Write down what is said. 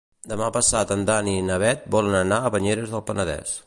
Demà passat en Dan i na Bet volen anar a Banyeres del Penedès.